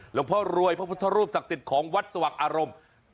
หลวงพ่อรวยพระพุทธรูปศักดิ์สิทธิ์ของวัดสว่างอารมณ์